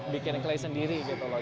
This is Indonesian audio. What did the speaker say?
bikin clay sendiri gitu loh